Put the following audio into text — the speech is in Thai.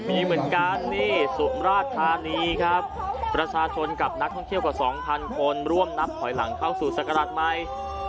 มีเหมือนกันนี่สุมราชธานีครับประชาชนกับนักท่องเที่ยวกว่า๒๐๐คนร่วมนับถอยหลังเข้าสู่ศักราชใหม่